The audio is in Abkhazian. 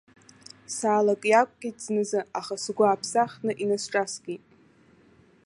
Саалакҩакит зназы, аха сгәы ааԥсахны инасҿаскит.